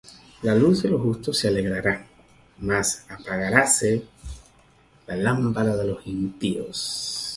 La luz de los justos se alegrará: Mas apagaráse la lámpara de los impíos.